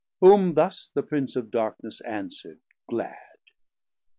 Whom thus the Prince of Darkness answerd glad.